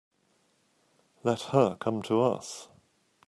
Let her come to us.